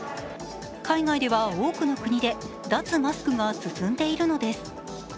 海外では多くの国で脱マスクが進んでいるのです。